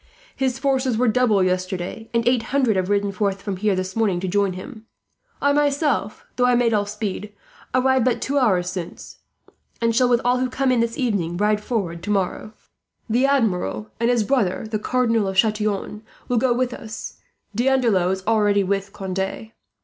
His forces were doubled yesterday, and eight hundred have ridden forth from here this morning to join him. "I myself, though I made all speed, arrived but two hours since; and shall, with all who come in this evening, ride forward tomorrow. The Admiral and his brother, the Cardinal of Chatillon, will go with us. D'Andelot is already with Conde.